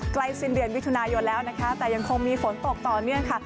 สิ้นเดือนมิถุนายนแล้วนะคะแต่ยังคงมีฝนตกต่อเนื่องค่ะ